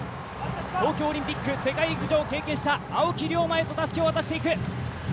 東京オリンピック、世界陸上経験した青木涼真へとたすきを渡していく。